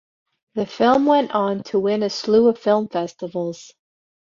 The film went on to win a slew of film festivals.